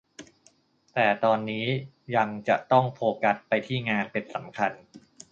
แต่ตอนนี้ยังจะต้องโฟกัสไปที่งานเป็นสำคัญ